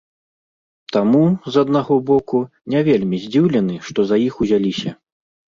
Таму, з аднаго боку, не вельмі здзіўлены, што за іх узяліся.